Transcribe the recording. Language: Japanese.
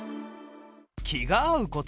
気が合う事